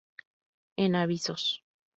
En "Avisos.